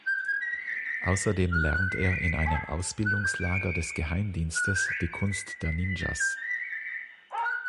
Außerdem lernt er in einem Ausbildungslager des Geheimdienstes die Kunst der Ninjas.